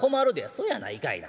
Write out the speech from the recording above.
そやないかいな。